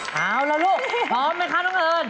เอาล่ะลูกพร้อมไหมคะน้องเอิญ